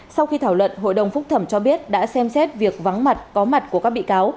sau khi thảo luận hội đồng phúc thẩm cho biết đã xem xét việc vắng mặt có mặt của các bị cáo